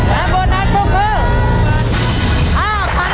และโบนัสก็คือ